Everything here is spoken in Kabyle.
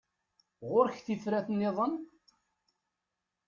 Ɣur-k tifrat-nniḍen?